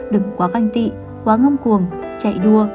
đừng quá ganh tị quá ngâm cuồng chạy đua